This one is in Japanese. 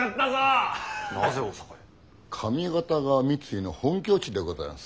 上方が三井の本拠地でございます。